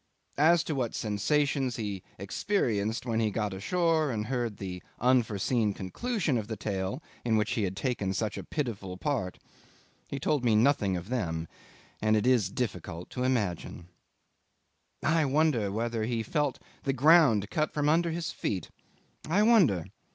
As to what sensations he experienced when he got ashore and heard the unforeseen conclusion of the tale in which he had taken such a pitiful part, he told me nothing of them, and it is difficult to imagine. 'I wonder whether he felt the ground cut from under his feet? I wonder?